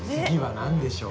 何でしょう。